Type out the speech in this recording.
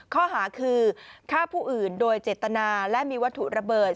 ข้อหาคือฆ่าผู้อื่นโดยเจตนาและมีวัตถุระเบิด